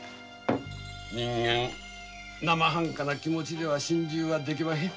人間なまはんかな気持ちでは心中は出来まへん。